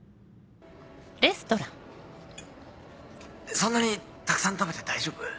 そんなにたくさん食べて大丈夫？